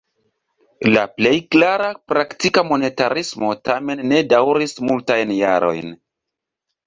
La plej klara praktika monetarismo tamen ne daŭris multajn jarojn.